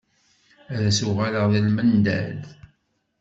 Ad as-uɣalaɣ s lmendad.